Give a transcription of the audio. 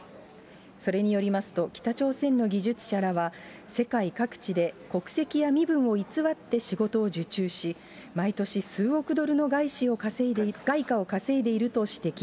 それによりますと、北朝鮮の技術者らは、世界各地で国籍や身分を偽って仕事を受注し、毎年数億ドルの外貨を稼いでいると指摘。